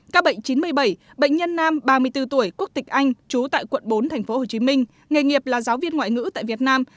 các bệnh chín mươi bảy bệnh nhân nam ba mươi bốn tuổi quốc tịch anh trú tại quận bốn tp hcm nghề nghiệp là giáo viên ngoại ngữ tại việt nam